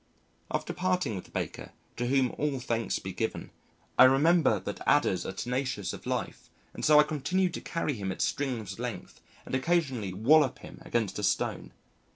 After parting with the baker, to whom all thanks be given, I remember that Adders are tenacious of life and so I continue to carry him at string's length and occasionally wallop him against a stone.